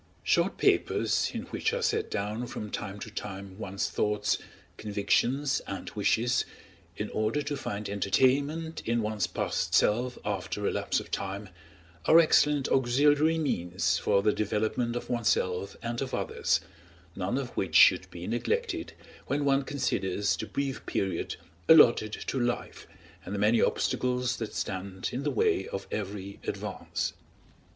Short papers, in which are set down from time to time one's thoughts, convictions, and wishes, in order to find entertainment in one's past self after a lapse of time, are excellent auxiliary means for the development of oneself and of others, none of which should be neglected when one considers the brief period allotted to life and the many obstacles that stand in the way of every advance.